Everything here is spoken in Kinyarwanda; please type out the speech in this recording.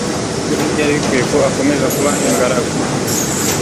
kuko ntibyari bikwiye ko akomeza kuba ingaragu